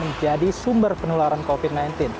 menjadi sumber penularan covid sembilan belas